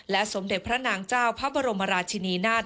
สมเด็จพระนางเจ้าพระบรมราชินีนาฏ